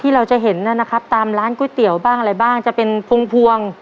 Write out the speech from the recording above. เราจะเห็นนะครับตามร้านก๋วยเตี๋ยวบ้างอะไรบ้างจะเป็นพวงพวง